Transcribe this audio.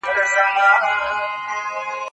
زه به سبا کتابتوننۍ سره وخت تېره کړم!.